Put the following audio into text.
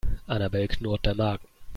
Annabel knurrt der Magen.